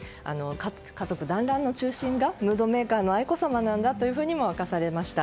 家族団らんの中心がムードメーカーの愛子さまなんだと明かされました。